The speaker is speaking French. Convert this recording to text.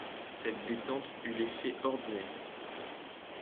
Cette détente eut l'effet ordinaire.